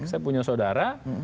saya punya saudara